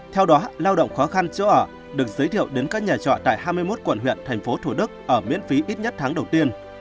theo đó lao động khó khăn chỗ ở được giới thiệu đến các nhà trọ tại hai mươi một quận huyện thành phố thủ đức ở miễn phí ít nhất tháng đầu tiên